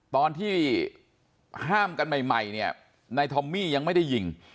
ตอนที่ห้ามกันใหม่เนี่ยนายทอมมี่ยังไม่ได้ยิง